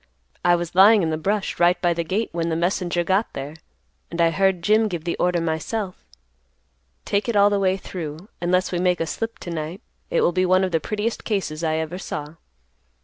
"I was lying in the brush, right by the gate when the messenger got there, and I heard Jim give the order myself. Take it all the way through, unless we make a slip to night, it will be one of the prettiest cases I ever saw."